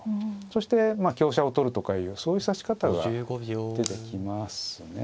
そして香車を取るとかいうそういう指し方が出てきますね。